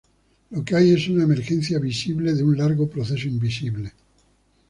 Lo que hay es una emergencia visible de un largo proceso invisible.